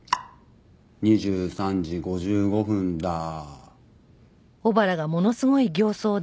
２３時５５分だー。